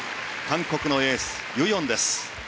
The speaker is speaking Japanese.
韓国のエース、ユ・ヨンです。